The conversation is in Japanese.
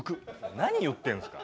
何言ってんですか。